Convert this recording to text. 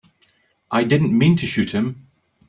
I didn't mean to shoot him.